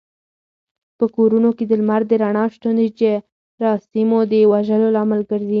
په کورونو کې د لمر د رڼا شتون د جراثیمو د وژلو لامل کېږي.